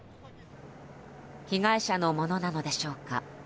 被害者のものなのでしょうか。